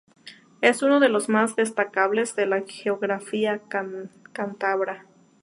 Es uno de los más destacables de la geografía cántabra.